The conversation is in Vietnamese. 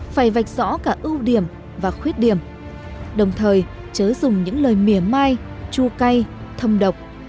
phải vạch rõ cả ưu điểm và khuyết điểm đồng thời chớ dùng những lời mỉa mai chu cay thâm độc